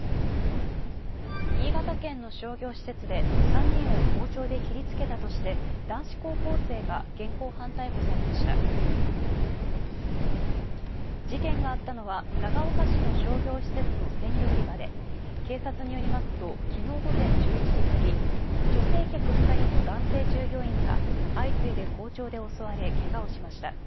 新潟県の商業施設で３人を包丁で切りつけたとして男子高校生が現行犯逮捕されました事件があったのは長岡市の商業施設の鮮魚売り場で、警察によりますと、昨日午前１１時過ぎ、女性客２人と男性従業員が相次いで包丁で襲われけがをしました。